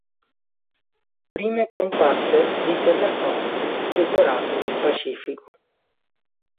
Prime comparse di terracotte decorate nel Pacifico.